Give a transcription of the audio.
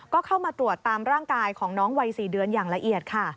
ก็เข้ามาตรวจตามร่างกายของน้องวัย๔เดือนอย่างละเอียดค่ะ